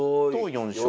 ４勝。